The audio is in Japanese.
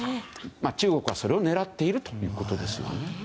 中国はそれを狙っているということですよね。